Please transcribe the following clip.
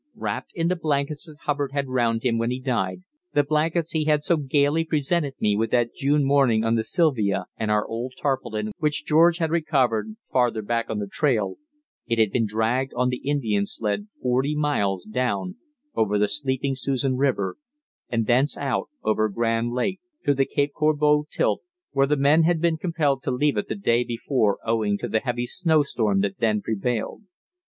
Wrapped in the blankets that Hubbard had round him when died the blankets he had so gaily presented me with that June morning on the Silvia and our old tarpaulin, which George had recovered farther back on the trail, it had been dragged on the Indian sled forty miles down over the sleeping Susan River, and thence out over Grand Lake to the Cape Corbeau tilt, where the men had been compelled to leave it the day before owing to the heavy snowstorm that then prevailed.